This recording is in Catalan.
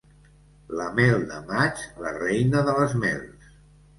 La mel de maig, la reina de les mels.